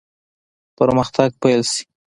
پرمختګ پیل شي.